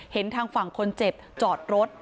เห็นทางฝั่งคนเจ็บจอดรถ